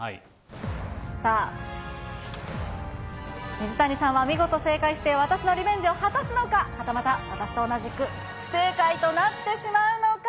さあ、水谷さんは見事正解して、私のリベンジを果たすのか、はたまた、私と同じく不正解となってしまうのか？